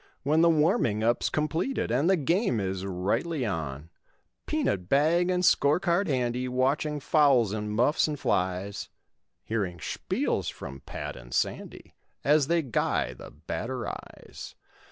When the warming up's completed And the game is rightly on; Peanut bag and score card handy, Watching fouls and muffs and flies, Hearing speils from Pat and Sandy As they guy the batteries.